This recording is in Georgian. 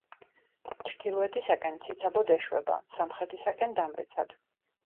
ჩრდილოეთისაკენ ციცაბოდ ეშვება, სამხრეთისაკენ— დამრეცად.